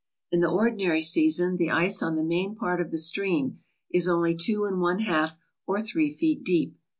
In the ordinary season the ice on the main part of the stream is only two and one half or three feet deep.